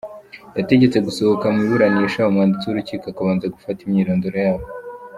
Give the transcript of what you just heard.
Yabategetse gusohoka mu iburanisha umwanditsi w’urukiko akabanza gufata imyirondoro yabo.